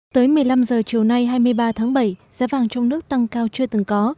tới một mươi năm h chiều nay hai mươi ba tháng bảy giá vàng trong nước tăng cao chưa từng có